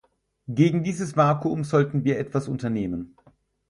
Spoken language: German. Gegen dieses Vakuum sollten wir etwas unternehmen.